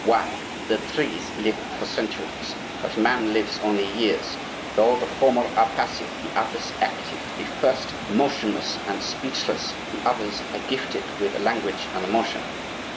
Why! the trees live for centuries, but man lives only years, though the former are passive, the others active; the first motionless and speechless, the others gifted with language and motion.